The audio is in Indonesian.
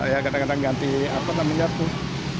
ya kadang kadang ganti apa namanya tuh